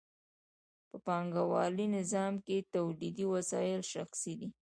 په پانګوالي نظام کې تولیدي وسایل شخصي دي